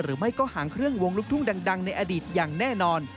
หรือไม่ก็หางเครื่องวงลูกทุ่งดังในอดีตอย่างแน่นอน